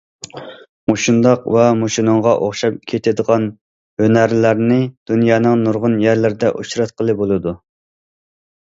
مۇشۇنداق ۋە مۇشۇنىڭغا ئوخشاپ كېتىدىغان ھۈنەرلەرنى دۇنيانىڭ نۇرغۇن يەرلىرىدە ئۇچراتقىلى بولىدۇ.